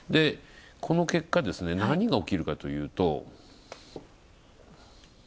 この結果、何が起きるかというと。